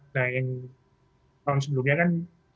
nah yang tahun sebelumnya kan